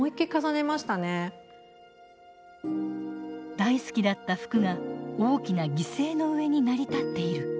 大好きだった服が大きな犠牲の上に成り立っている。